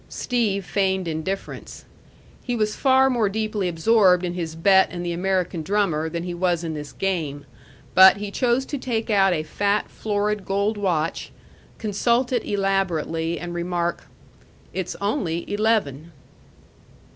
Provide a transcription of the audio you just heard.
Steve feigned indifference. He was far more deeply absorbed in his bet and the American drummer than he was in this game; but he chose to take out a fat, florid gold watch, consult it elaborately, and remark, "It's only eleven."